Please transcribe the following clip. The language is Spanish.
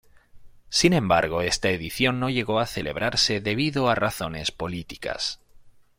Sin embargo, esta edición no llegó a celebrarse debido a razones políticas.